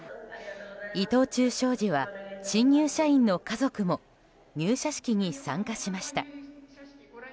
伊藤忠商事は、新入社員の家族も入社式に参加しました。